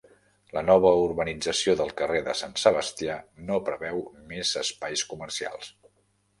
La nova urbanització del carrer de Sant Sebastià no preveu més espais comercials.